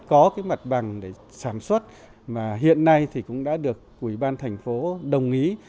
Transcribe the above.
có mặt bằng để sản xuất mà hiện nay cũng đã được quỹ ban thành phố đồng ý